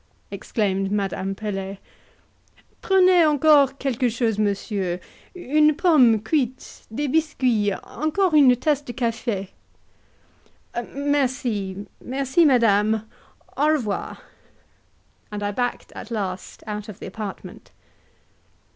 exclaimed Madame Pelet. "Prenez encore quelquechose, monsieur; une pomme cuite, des biscuits, encore une tasse de cafe?" "Merci, merci, madame au revoir." And I backed at last out of the apartment.